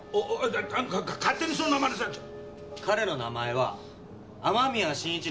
彼の名前は雨宮慎一郎。